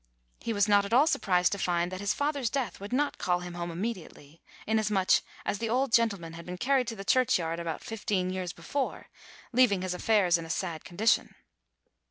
He was not at all surprised to find that his father's death would not call him home immediately, inasmuch as the old gentleman had been carried to the church yard about fifteen years before, leaving his affairs in a sad condition.